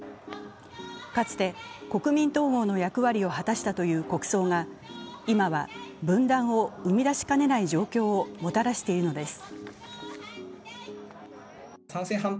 かつて国民統合の役割を果たしたという国葬が今は分断を生み出しかねない状況をもたらしているのです。